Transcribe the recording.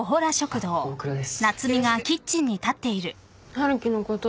春樹のこと